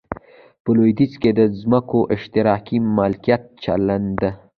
په لوېدیځ کې د ځمکو اشتراکي مالکیت چلېده.